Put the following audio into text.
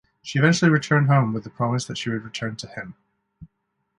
She eventually returned home with the promise that she would return to him.